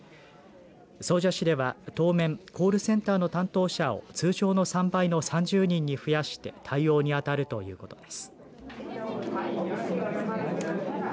総社市では当面コールセンターの担当者を通常の３倍の３０人に増やして対応に当たるということです。